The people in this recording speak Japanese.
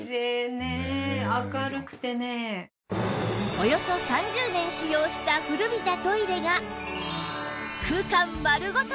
およそ３０年使用した古びたトイレが空間丸ごと